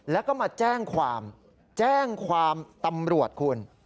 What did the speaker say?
แล้วก็มาแจ้งความแจ้งความตำรวจคุณ